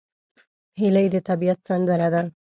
هیلۍ د طبیعت سندره ده